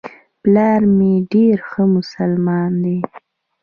پلار مي ډېر ښه مسلمان دی .